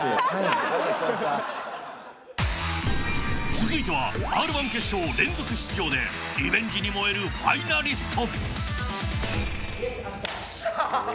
続いてはＲ−１決勝連続出場でリベンジに燃えるファイナリスト。